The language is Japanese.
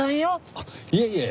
あっいえいえ。